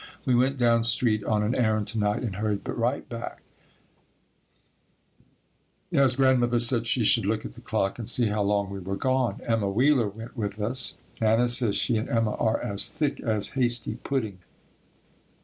We went down street on an errand to night and hurried right back, as Grandmother said she should look at the clock and see how long we were gone. Emma Wheeler went with us. Anna says she and Emma are as "thick as hasty pudding."